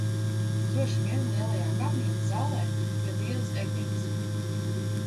Droši vien lielajā kamīna zālē pie lielas eglītes.